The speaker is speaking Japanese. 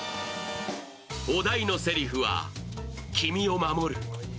お題のせりふは「君を守る」。